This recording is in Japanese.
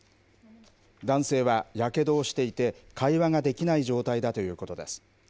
男性はやけどをしていて、会話ができない状態だということです。